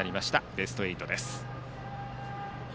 ベスト８です。